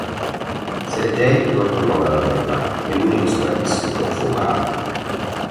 Sergej non tornò dalla guerra e l'unico sopravvissuto fu Marat.